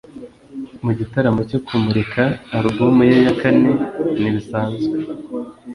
Mu gitaramo cyo kumurika album ye ya kane ‘Ntibisanzwe’